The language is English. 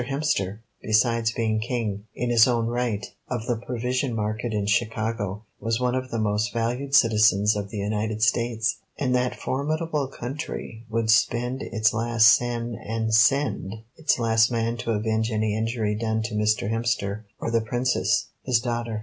Hemster, besides being King, in his own right, of the provision market in Chicago, was one of the most valued citizens of the United States, and that formidable country would spend its last sen and send its last man to avenge any injury done to Mr. Hemster, or the Princess, his daughter.